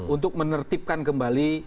untuk menertibkan kembali